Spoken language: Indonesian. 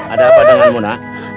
ada apa dengan mona